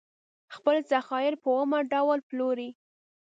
خپل ذخایر په اومه ډول پلوري.